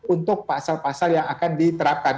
untuk pasal pasal yang akan diterapkan